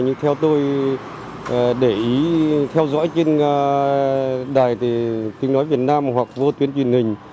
nhưng theo tôi để ý theo dõi trên đài thì tiếng nói việt nam hoặc vô tuyến truyền hình